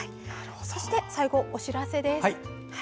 そして最後、お知らせです。